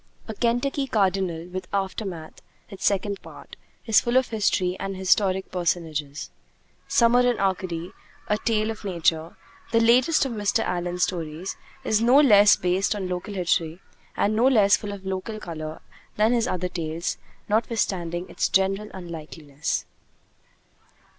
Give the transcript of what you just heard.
'A Kentucky Cardinal,' with 'Aftermath,' its second part, is full of history and of historic personages. 'Summer in Arcady: A Tale of Nature,' the latest of Mr. Allen's stories, is no less based on local history and no less full of local color than his other tales, notwithstanding its general unlikeness.